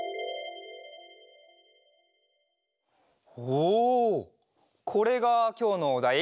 おおこれがきょうのおだい？